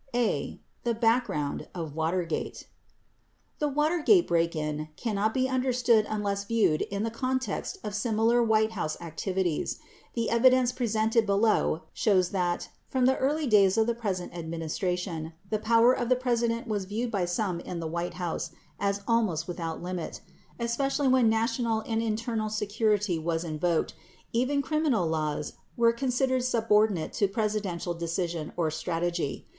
A. The Background or Watergate The Watergate break in cannot be understood unless viewed in the context of similar White House activities. The evidence presented below shows that, from the early days of the present administration, the power of the President was viewed by some in the White House as almost without limit ; especially when national or internal security was invoked, even criminal laws were considered subordinate to Presi dential decision or strategy.